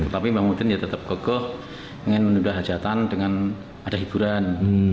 tapi mbak mudin ya tetap kokoh ingin menunda hajatan dengan ada hiburan